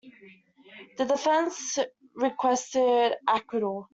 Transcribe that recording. The defence requested acquittal.